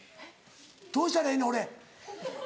どうしたらええねん俺。